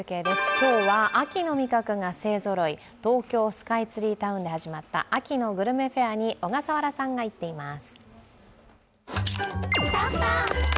今日は秋の味覚が勢ぞろい、東京スカイツリータウンで始まった秋のグルメフェアに小笠原さんが行っています